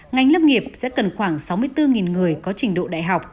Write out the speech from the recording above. ngành lâm nghiệp sẽ cần khoảng sáu mươi bốn người có trình độ đại học